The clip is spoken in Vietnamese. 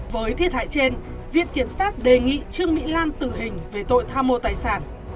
với thiệt hại trên viện kiểm sát đề nghị trương mỹ lan tử hình về tội tham mô tài sản